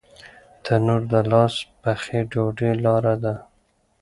تنور د لاس پخې ډوډۍ لاره ده